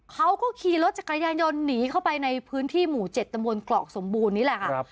เขาก็ขี่รถจักรยานยนต์หนีเข้าไปในพื้นที่หมู่๗ตำบลกรอกสมบูรณ์นี่แหละค่ะ